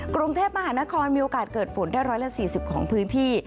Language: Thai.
กรุงเทพมหานครมีโอกาสเกิดฝนได้๑๔๐ของพื้นที่